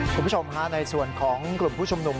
คุณผู้ชมฮะในส่วนของกลุ่มผู้ชุมนุม